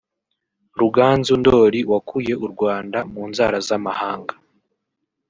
Ruganzu Ndoli wakuye u Rwanda mu nzara z’amahanga